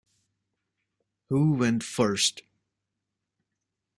Who went first?